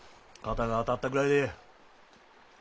肩が当たったぐらいで。